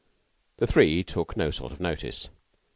The three took no sort of notice.